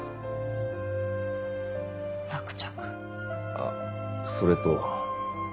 あっそれと。